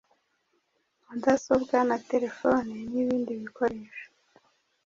mudasobwa na telefoni, nibindi bikoresho